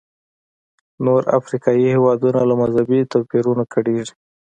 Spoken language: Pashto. نور افریقایي هېوادونه له مذهبي توپیرونو کړېږي.